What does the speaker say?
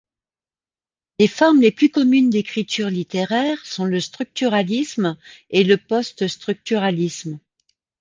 Les formes les plus communes d’écriture littéraire sont le structuralisme et le post-structuralisme.